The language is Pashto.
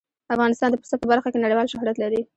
افغانستان د پسه په برخه کې نړیوال شهرت لري.